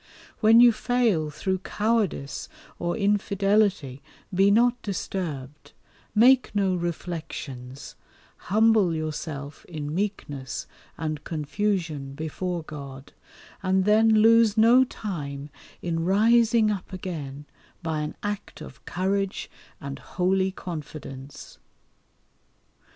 When you fail through cowardice or infidelity be not disturbed, make no reflections, humble yourself in meekness and confusion before God, and then lose no time in rising up again by an act of courage and holy confidence.